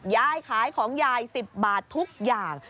ยายขายของยาย๑๐บาททุกอย่าง